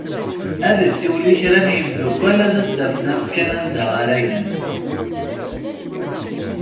Ad isiwel i kra n yimddukal ad as-d-afen amkan anda ara ines.